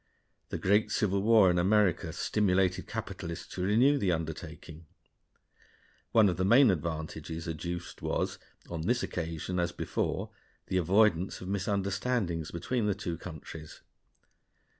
The great civil war in America stimulated capitalists to renew the undertaking. One of the main advantages adduced was, on this occasion as before, the avoidance of misunderstandings between the two countries.